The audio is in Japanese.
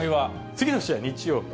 次の試合日曜日。